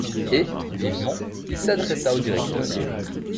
Et, vivement, il s’adressa au directeur.